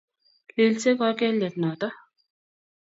Lilsei kokeliet notok